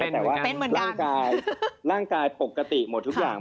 แต่ว่าร่างกายปกติหมดทุกอย่าง